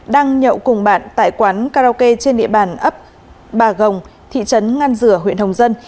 đang nhậu cùng bạn tại quán karaoke trên địa bàn ấp bà gồng thị trấn ngăn dừa huyện hồng dân